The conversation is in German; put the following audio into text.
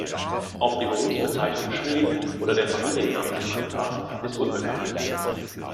Ob die Berufsbezeichnung Schmied oder der Familienname gemeint war, ist unbekannt.